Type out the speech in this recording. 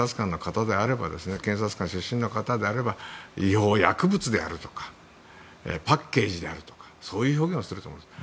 検察官出身の方であれば違法薬物であるとかパッケージであるとかそういう表現をすると思います。